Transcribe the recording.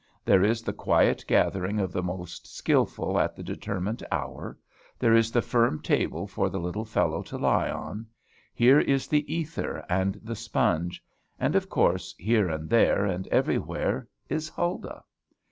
There is the quiet gathering of the most skilful at the determined hour; there is the firm table for the little fellow to lie on; here is the ether and the sponge; and, of course, here and there, and everywhere, is Huldah.